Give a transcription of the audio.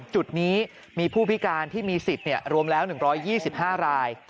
จุดนี้มีผู้พิการที่มีสิทธิ์รวมแล้ว๑๒๕ราย